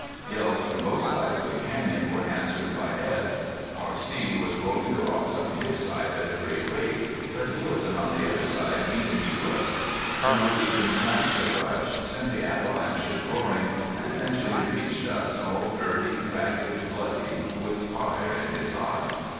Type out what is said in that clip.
Yells from both sides of the canyon were answered by Edd. R.C. was rolling the rocks on his side at a great rate. But Nielsen on the other side beat him to us. The Norwegian crashed the brush, sent the avalanches roaring, and eventually reached us, all dirty, ragged, bloody, with fire in his eye.